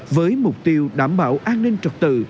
với mục tiêu đảm bảo an ninh trật tự